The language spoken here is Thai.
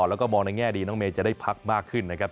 แล้วก็มองในแง่ดีน้องเมย์จะได้พักมากขึ้นนะครับ